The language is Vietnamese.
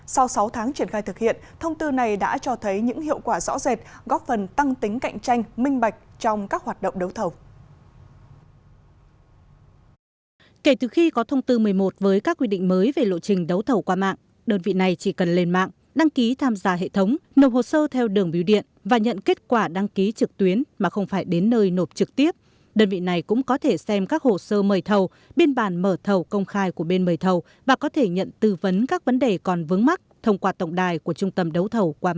sau sáu tháng triển khai thực hiện thông tư này đã cho thấy những hiệu quả rõ rệt góp phần tăng tính cạnh tranh minh bạch trong các hoạt động đấu thầu